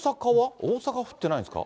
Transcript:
大阪降ってないんですか。